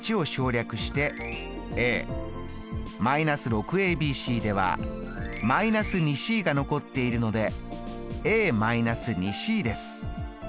−６ｂｃでは−２ｃが残っているので−２ｃです。